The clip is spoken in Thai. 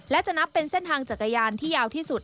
และจะนับเป็นเส้นทางจักรยานที่ยาวที่สุด